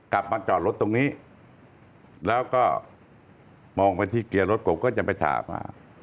กลับมาจอดรถตรงนี้แล้วก็มองไปที่เกียร์รถผมก็จะไปถาม